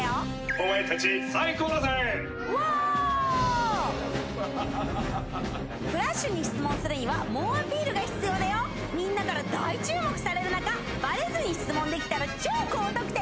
お前たち最高だぜうぉーうぉークラッシュに質問するにはみんなから大注目される中バレずに質問できたら超高得点！